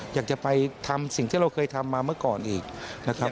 อยากจะไปทำสิ่งที่เราเคยทำมาเมื่อก่อนอีกนะครับ